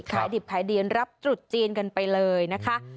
ขายดิบขายดีรับตรุษจีนกันไปเลยนะคะ